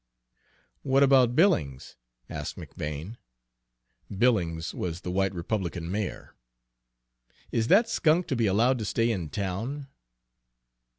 "What about Billings?" asked McBane. Billings was the white Republican mayor. "Is that skunk to be allowed to stay in town?"